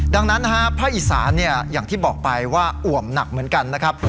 ดังนั้นนะฮะภาคอีสานอย่างที่บอกไปว่าอ่วมหนักเหมือนกันนะครับ